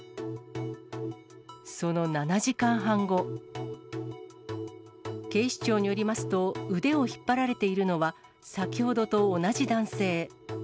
その７時間半後、警視庁によりますと、腕を引っ張られているのは、先ほどと同じ男性。